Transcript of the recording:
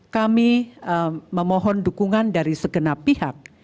kami memohon dukungan dari segenap pihak